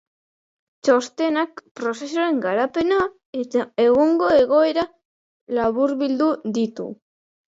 Txostenak prozesuaren garapena eta egungo egoera laburbildu ditu.